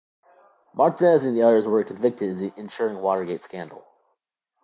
Martinez and the others were convicted in the ensuing Watergate scandal.